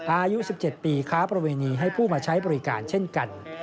อายุ๑๗ปีค้าประเวณีให้ผู้มาใช้บริการเช่นกัน